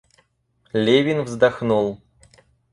Левин вздохнул.